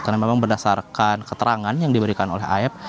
karena memang berdasarkan keterangan yang diberikan oleh af